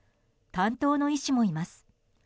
担当の医師もいます。